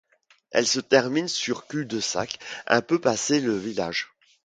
Elle se termine sur cul-de-sac, un peu passé le village.